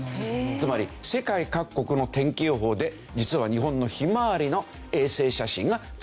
つまり世界各国の天気予報で実は日本のひまわりの衛星写真が使われている。